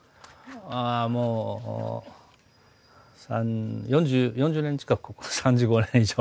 ああもう４０年近くここ３５年以上。